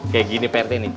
kayak gini pak r t nih